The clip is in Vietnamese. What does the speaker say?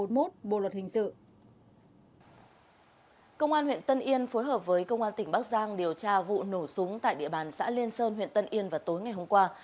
công an huyện tân yên phối hợp với công an tỉnh bắc giang điều tra vụ nổ súng tại địa bàn xã liên sơn huyện tân yên vào tối ngày hôm qua